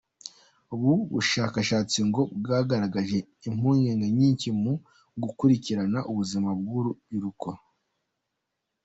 Ubu bushakashatsi ngo bwagaragaje impungenge nyinshi mu gukurikirana ubuzima bw’urubyiruko.